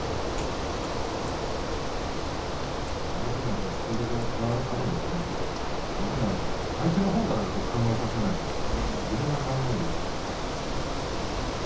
あれだけのスピードがあるので相手のほうがやっぱり考えさせないと自分が考えるよりは。